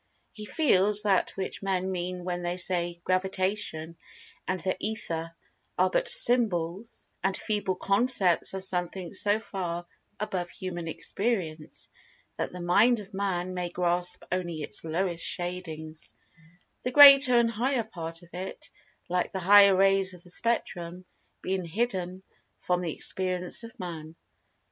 He feels that that which men mean when they say "Gravitation" and "The Ether," are but symbols and feeble concepts of Something so far above human experience that the Mind of Man may grasp only its lowest shadings, the greater and higher part of it, like the higher rays of the Spectrum, being hidden from the experience of Man.